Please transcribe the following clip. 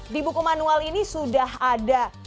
di buku manual ini sudah ada